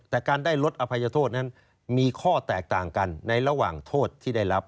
แต่การได้ลดอภัยโทษนั้นมีข้อแตกต่างกันในระหว่างโทษที่ได้รับ